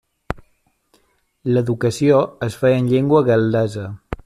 L'educació es feia en llengua gal·lesa.